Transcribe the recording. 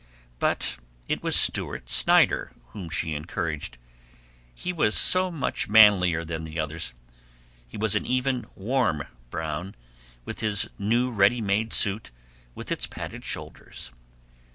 But it was Stewart Snyder whom she encouraged. He was so much manlier than the others; he was an even warm brown, like his new ready made suit with its padded shoulders.